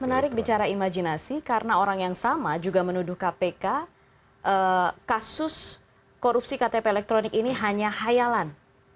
menarik bicara imajinasi karena orang yang sama juga menuduh kpk kasus korupsi ktp elektronik ini hanya hayalan